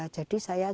jadi saya tidak